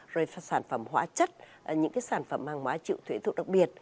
rồi sản phẩm hóa chất những cái sản phẩm hàng hóa chịu thuế thuộc đặc biệt